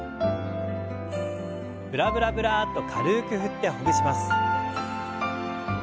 ブラブラブラッと軽く振ってほぐします。